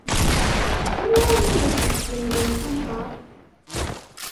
Anwa ay awent-yeslemden tanhaṛt?